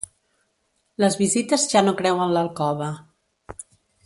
Les visites ja no creuen l’alcova.